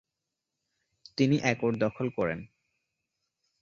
তিনি একর দখল করেন।